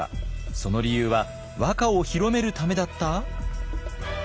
その理由は和歌を広めるためだった？